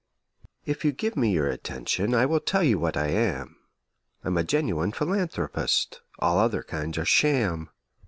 If you give me your attention, I will tell you what I am: I'm a genuine philanthropist all other kinds are sham.